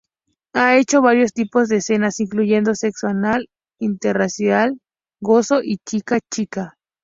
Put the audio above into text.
Ha hecho varios tipos de escenas, incluyendo sexo anal, interracial, gonzo y chica-chica.